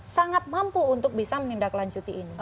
sangat mampu untuk bisa menindaklanjuti ini